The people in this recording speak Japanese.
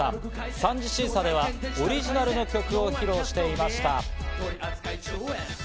３次審査ではオリジナルの曲を披露していました。